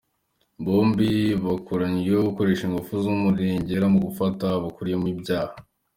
Bombi bakurikiranyweho gukoresha ingufu z’ Umurengera mu gufata abakurikiranyweho ibyaha.